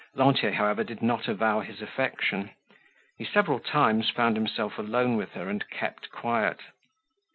Lantier, however, did not avow his affection. He several times found himself alone with her and kept quiet.